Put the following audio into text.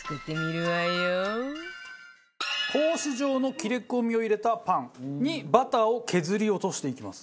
格子状の切り込みを入れたパンにバターを削り落としていきます。